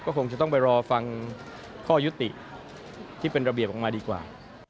คงจะต้องไปรอฟังข้อยุติที่เป็นระเบียบออกมาดีกว่า